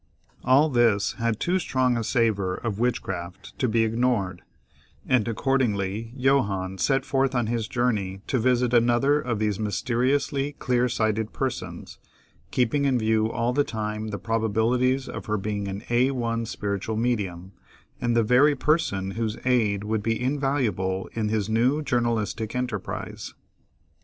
All this had too strong a savor of witchcraft to be ignored, and accordingly Johannes set forth on his journey to visit another of these mysteriously clear sighted persons, keeping in view all the time the probabilities of her being an A 1 spiritual medium, and the very person whose aid would be invaluable in his new journalistic enterprise.